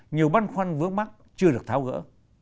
nhiều băn khoăn vướng mắt chưa được tháo gỡ